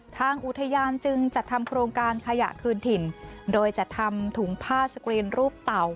ทางอุทยานจึงจัดทำโครงการขยะคืนถิ่นโดยจะทำถุงผ้าสกรีนรูปเต่า